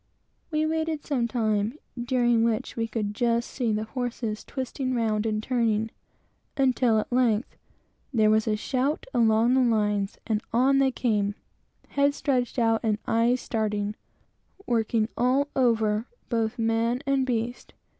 We waited some time, during which we could just see the horses twisting round and turning, until, at length, there was a shout along the lines, and on they came heads stretched out and eyes starting; working all over, both man and beast.